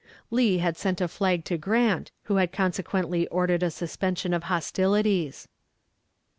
Lee had sent a flag to Grant, who had consequently ordered a suspension of hostilities.